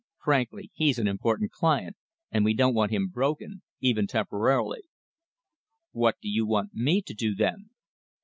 Frankly, he's an important client, and we don't want him broken, even temporarily." "What do you want me to do, then?"